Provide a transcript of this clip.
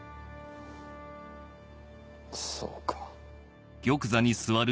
そうか。